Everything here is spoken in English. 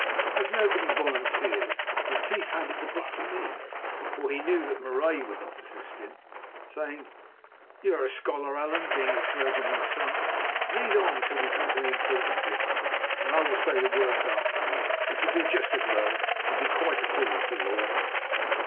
As nobody volunteered, Retief handed the book to me, for he knew that Marais would not assist him, saying: "You are a scholar, Allan, being a clergyman's son. Read on till we come to the important bits, and I will say the words after you, which will do just as well and be quite according to law."